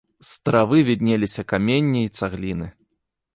З травы віднеліся каменне і цагліны.